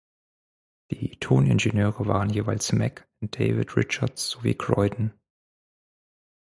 Die Toningenieure waren jeweils Mack und David Richards sowie Croydon.